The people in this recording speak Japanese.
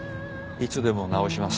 いつでも直します。